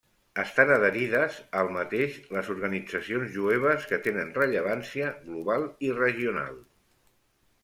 Estan adherides al mateix les organitzacions jueves que tenen rellevància global i regional.